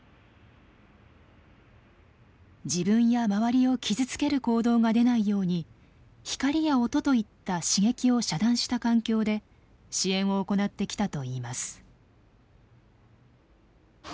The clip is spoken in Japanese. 自分や周りを傷つける行動が出ないように光や音といった刺激を遮断した環境で支援を行ってきたといいます。